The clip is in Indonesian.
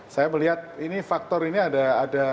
saya melihat ini faktor ini ada